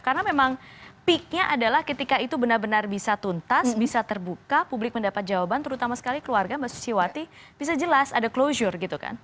karena memang peak nya adalah ketika itu benar benar bisa tuntas bisa terbuka publik mendapat jawaban terutama sekali keluarga mbak susiwati bisa jelas ada closure gitu kan